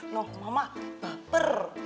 nah mama per